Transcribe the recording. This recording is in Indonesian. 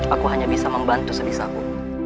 aku hanya bisa membantu sebisaku